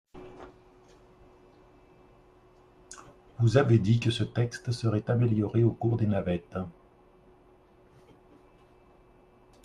Vous avez dit que ce texte serait amélioré au cours des navettes.